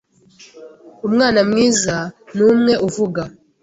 Umwana mwiza ni umwe uvuga